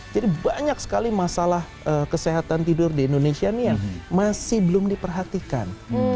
jadi banyak sekali masalah kesehatan tidur di indonesia ini yang masih belum diperhatikan